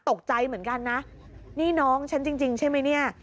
ตกใจเหมือนกันนะนี่น้องฉันจริงใช่ไหมเนี่ย